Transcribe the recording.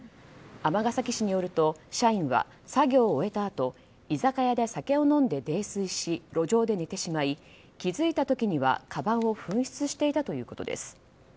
尼崎市によると社員は作業を終えたあと居酒屋で酒を飲んで泥酔し路上で寝てしまい気づいた時にはかばんを紛失していたということです。